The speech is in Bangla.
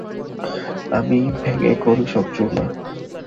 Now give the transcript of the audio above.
আমি ভেঙে করি সব চুরমার।